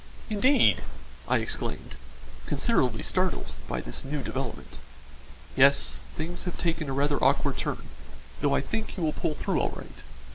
"Indeed!" I exclaimed, considerably startled by this new development. "Yes, things have taken a rather awkward turn, though I think he will pull through all right.